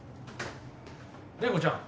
麗子ちゃん